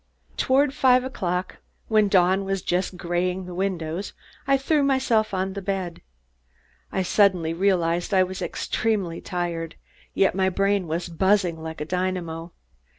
Toward five o'clock, when dawn was just graying the windows, I threw myself on my bed. I suddenly realized I was extremely tired, yet my brain was buzzing like a dynamo.